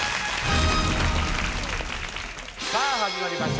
さあ始まりました